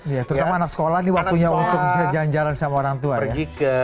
iya terutama anak sekolah nih waktunya untuk bisa jalan jalan sama orang tua ya